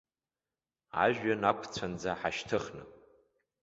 Ажәҩан ақәцәанӡа ҳашьҭыхны.